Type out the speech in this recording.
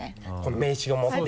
名刺を持って。